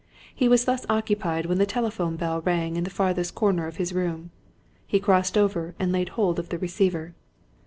He was thus occupied when the telephone bell rang in the farthest corner of his room. He crossed over and laid hold of the receiver.